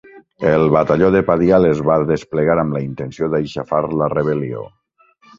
El batalló de Padial es va desplegar amb la intenció d'"aixafar la rebel·lió.